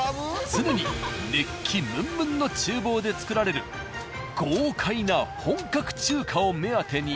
常に熱気ムンムンの厨房で作られる豪快な本格中華を目当てに。